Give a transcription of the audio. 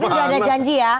tapi udah ada janji ya